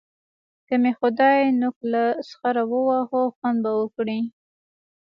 که مې خدای نوک له سخره وواهه؛ خوند به وکړي.